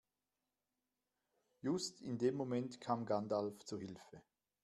Just in dem Moment kam Gandalf zu Hilfe.